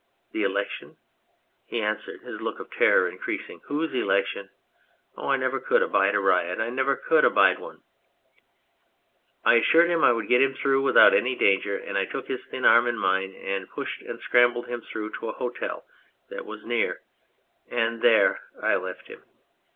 " The election ?" he answered, his look of terror increasing. " Whose election ? Oh, I never could abide a riot ! I never could abide one !" I assured him I would get him through without any danger, and I took his thin arm in mine, and pushed and scrambled him through to a hotel that was near and there I left him.